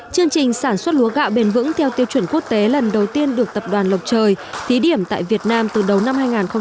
chương trình sản xuất lúa gạo bền vững theo tiêu chuẩn quốc tế lần đầu tiên được tập đoàn lộc trời thí điểm tại việt nam từ đầu năm hai nghìn một mươi tám